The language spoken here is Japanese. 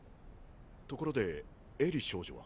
ところでエリ少女は？